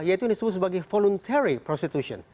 yaitu yang disebut sebagai voluntary prostitution